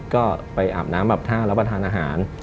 ก็ไปอาบน้ำอาบท่ารับประทานอาหาร